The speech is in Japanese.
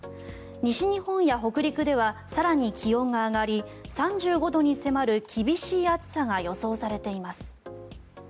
西日本や北陸では更に気温が上がり３５度に迫る厳しい暑さが予想されています。